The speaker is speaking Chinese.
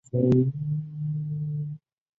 元禄赤穗事件中赤穗浪士四十七武士的头目。